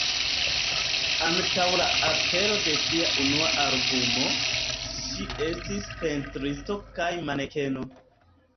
Antaŭ la apero de ŝia unua albumo, ŝi estis pentristino kaj manekeno.